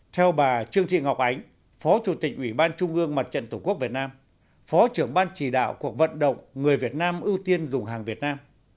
theo bà trương thị ngọc ánh phó chủ tịch ủy ban trung ương mặt trận tổ quốc việt nam phó trưởng ban chỉ đạo cuộc vận động người việt nam ưu tiên dùng hàng việt nam